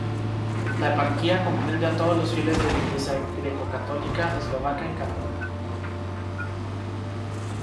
La eparquía comprende a todos los fieles de la Iglesia greco-católica eslovaca en Canadá.